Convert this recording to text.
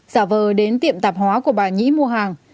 giả vờ đến tiệm tạp hóa của bà nhĩ mua hàng